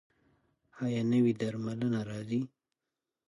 ایا نوې درملنه راځي؟